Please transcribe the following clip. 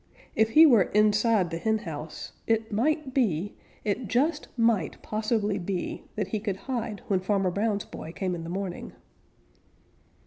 If he were inside the henhouse, it might be, it just might possibly be, that he could hide when Farmer Brown's boy came in the morning.